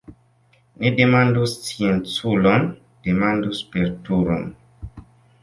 Ne demandu scienculon, demandu spertulon.